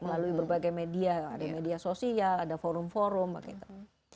melalui berbagai media ada media sosial ada forum forum begitu